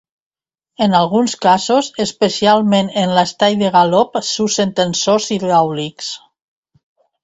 En alguns casos, especialment en l'estai de galop s'usen tensors hidràulics.